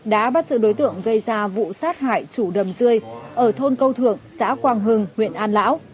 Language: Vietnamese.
đã bắt giữ đối tượng gây ra vụ sát hại chủ đầm rơi ở thôn câu thượng xã quang hưng huyện an lão